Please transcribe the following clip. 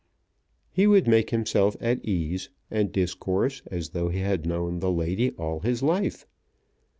He would make himself at ease, and discourse as though he had known the lady all his life.